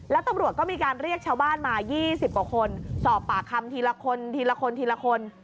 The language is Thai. แล้วตำรวจก็มีการเรียกชาวบ้านมา๒๐กว่าคนสอบปากคำทีละคนทีละคนทีละคน